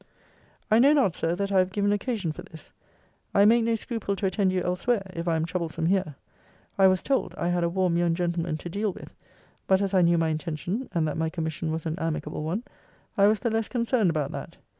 I know not, Sir, that I have given occasion for this. I make no scruple to attend you elsewhere, if I am troublesome here. I was told, I had a warm young gentleman to deal with: but as I knew my intention, and that my commission was an amicable one, I was the less concerned about that.